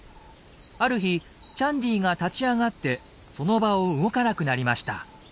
ある日チャンディーが立ち上がってその場を動かなくなりました。